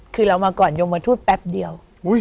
คือเรามาก่อนยมทูตแป๊บเดียว